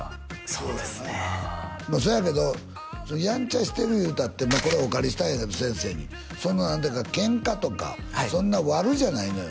そうですねそやけどヤンチャしてるいうたってこれお借りしたんやけど先生にそんな何ていうかケンカとかそんな悪じゃないのよ